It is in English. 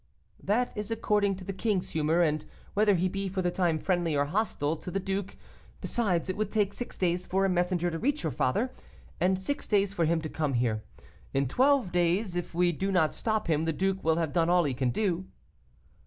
'That is according to the king's humor, and whether he be for the time friendly or hostile to the duke. Besides, it would take six days for a messenger to reach your father, and six days for him to come here. In twelve days, if we do not stop him, the duke will have done all he can do.